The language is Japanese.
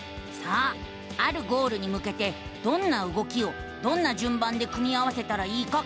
あるゴールにむけてどんな動きをどんなじゅんばんで組み合わせたらいいか考える。